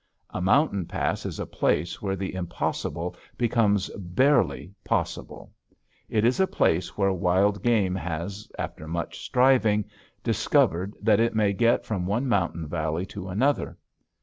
A mountain pass is a place where the impossible becomes barely possible. It is a place where wild game has, after much striving, discovered that it may get from one mountain valley to another.